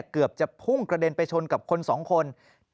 เกือบจะพุ่งกระเด็นไปชนกับคนสองคน